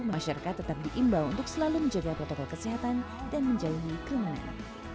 masyarakat tetap diimbau untuk selalu menjaga protokol kesehatan dan menjalani kerumunan